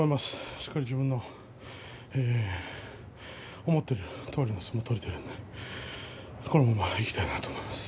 しっかり自分の思っているとおりの相撲が取れているのでこのままいきたいなと思います。